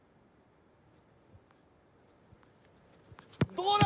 どうだ？